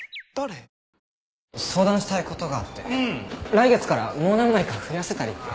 来月からもう何枚か増やせたりって。